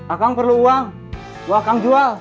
akan perlu uang gua akan jual